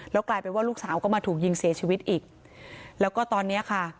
กลายเป็นว่าลูกสาวก็มาถูกยิงเสียชีวิตอีกแล้วก็ตอนเนี้ยค่ะ